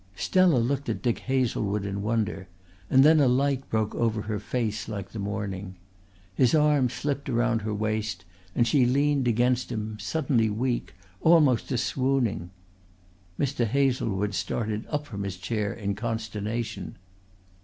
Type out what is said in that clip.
Stella looked at Dick Hazlewood in wonder, and then a light broke over her face like the morning. His arm slipped about her waist and she leaned against him suddenly weak, almost to swooning. Mr. Hazlewood started up from his chair in consternation.